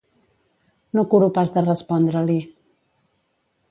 No curo pas de respondre-li.